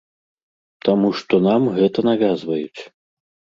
Таму што нам гэта навязваюць.